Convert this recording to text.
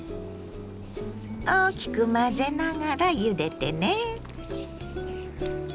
大きく混ぜながらゆでてね。